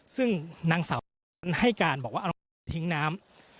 ซึ่งนางสาวให้การบอกว่าทิ้งน้ำ